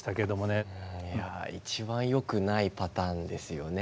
いや一番よくないパターンですよね。